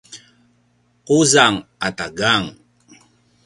quzang ata gang